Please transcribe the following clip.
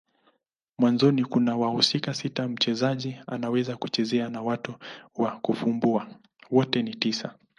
Mwanzoni kuna wahusika sita mchezaji anaweza kuchezea na watatu wa kufumbua. Wote ni tisa.